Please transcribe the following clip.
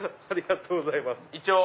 ありがとうございます。